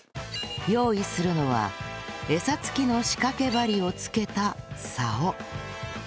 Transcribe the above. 用意するのは餌付きの仕掛け針を付けた竿